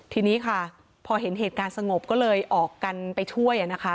ทีนี้ค่ะพอเห็นเหตุการณ์สงบก็เลยออกกันไปช่วยนะคะ